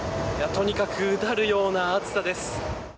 とにかくうだるような暑さです。